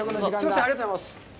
ありがとうございます。